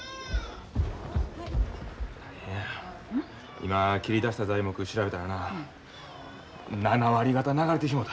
今切り出した材木調べたらな７割方流れてしもうた。